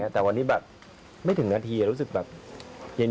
แต่วันนี้แบบไม่ถึงนาทีรู้สึกแบบเย็น